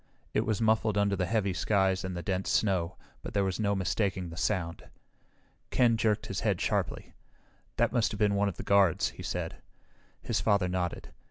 It was muffled under the heavy skies and the dense snow, but there was no mistaking the sound. Ken jerked his head sharply. "That must have been one of the guards!" he said. His father nodded.